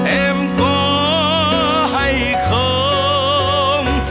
em có hay không